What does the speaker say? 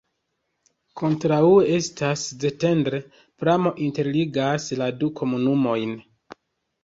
Kontraŭe estas Szentendre, pramo interligas la du komunumojn.